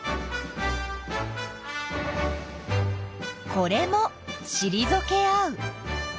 これもしりぞけ合う。